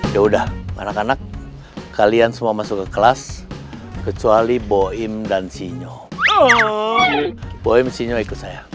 ya udah anak anak kalian semua masuk ke kelas kecuali boim dan sinyo boeing sinyo ikut saya